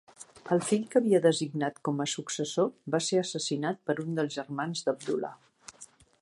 El fill que havia designat com a successor va ser assassinat per un dels germans d'Abdullah.